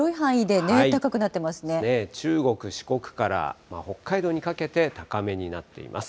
中国、四国から北海道にかけて高めになっています。